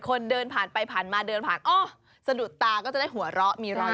คนเดินผ่านไปผ่านมาเดินผ่านอ้อสะดุดตาก็จะได้หัวเราะมีรอย